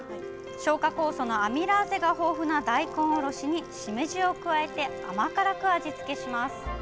消化酵素のアミラーゼが豊富な大根おろしに、しめじを加えて甘辛く味付けします。